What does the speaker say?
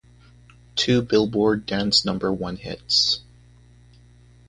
Two Billboard Dance number one hits.